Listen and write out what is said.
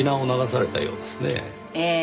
ええ。